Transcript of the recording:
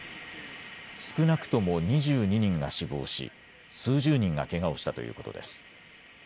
少なくとも２２人が死亡し、数十人がけがをしたということです。